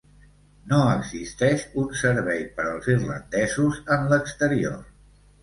No existeix un servei per als irlandesos en l'exterior.